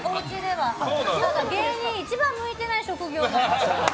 芸人、一番向いてない職業なの。